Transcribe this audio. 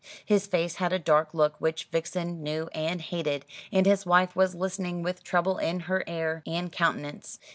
His face had a dark look which Vixen knew and hated, and his wife was listening with trouble in her air and countenance.